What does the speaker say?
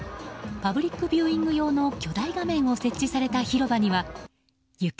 パブリックビューイング用の巨大画面を設置された広場には行け！